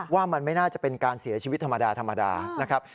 ว่ามันไม่น่าจะเป็นการเสียชีวิตธรรมดาธรรมดานะครับ